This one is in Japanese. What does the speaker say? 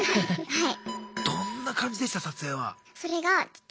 はい。